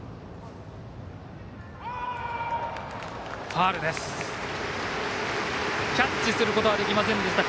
ファウルでした。